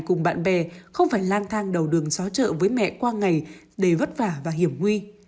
cùng bạn bè không phải lang thang đầu đường xá chợ với mẹ qua ngày đầy vất vả và hiểm nguy